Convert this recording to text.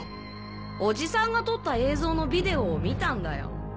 おじさんが撮った映像のビデオを観たんだよ。